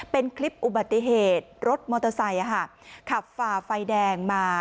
เป็นคลิปอุบัติเหตุรถมอเตอร์ไซค์ขับฝ่าไฟแดงมา